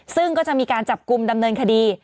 ซึ่งก็จะมีการจับกลุ่มดำเนินคดี